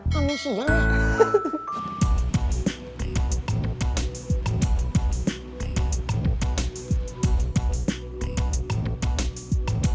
kamu si jalan